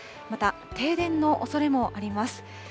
また停電のおそれもあります。